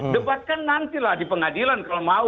debatkan nantilah di pengadilan kalau mau